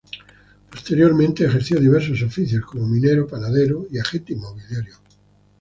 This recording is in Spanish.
Posteriormente ejerció diversos oficios, como minero, panadero y agente inmobiliario.